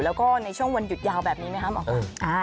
แล้วก็ในช่วงวันหยุดยาวแบบนี้ไหมคะหมอไก่